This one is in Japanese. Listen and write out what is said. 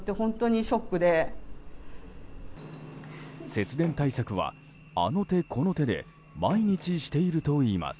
節電対策はあの手この手で毎日しているといいます。